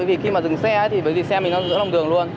vì khi mà dừng xe thì bởi vì xe mình đang giữa đường luôn